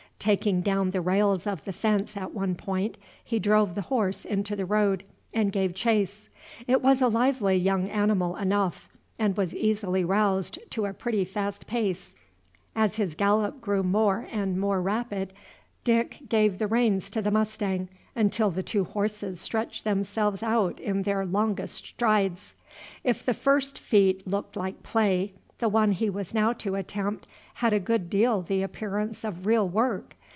Taking down the rails of the fence at one point, he drove the horse into the road and gave chase. It was a lively young animal enough, and was easily roused to a pretty fast pace. As his gallop grew more and more rapid, Dick gave the reins to the mustang, until the two horses stretched themselves out in their longest strides. If the first feat looked like play, the one he was now to attempt had a good deal the appearance of real work.